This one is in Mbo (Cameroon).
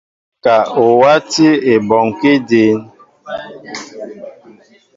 Wɛ ka o wátí ebɔŋkí dǐn.